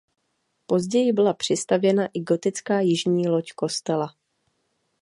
Později byla přistavěna i gotická jižní loď kostela.